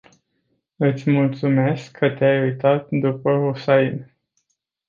Iti multumesc ca te-ai uitat dupa Hussain.